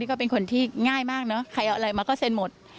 นี่ก็เป็นคนที่ง่ายมากใครเอาอะไรมาก็เสนหมด